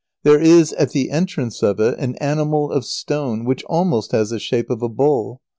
There is, at the entrance of it, an animal of stone which almost has the shape of a bull.